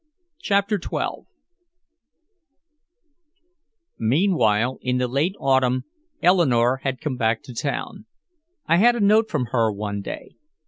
'" CHAPTER XII Meanwhile, in the late Autumn, Eleanore had come back to town. I had a note from her one day.